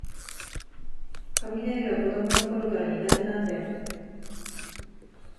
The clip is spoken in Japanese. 雷は子どものころから苦手なんだよ